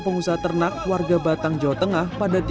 pengusaha ternak warga batang jawa tengah pada